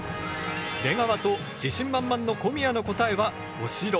出川と自信満々の小宮の答えは「おしろ」。